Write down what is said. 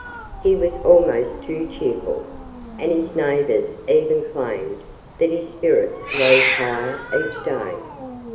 He was almost too cheerful. And his neighbors even claimed that his spirits rose higher each day.